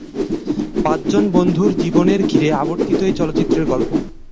পাঁচজন বন্ধুর জীবনের ঘিরে আবর্তিত এই চলচ্চিত্রের গল্প।